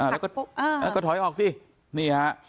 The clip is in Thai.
แล้วก็ถอยออกสินี่ฮะ